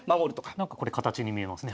なんかこれ形に見えますね。